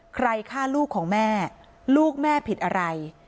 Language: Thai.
ใครฆ่าลูกของแม่ลูกแม่ผิดอะไร